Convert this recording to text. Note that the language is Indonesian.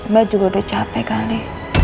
mbak juga udah capek kali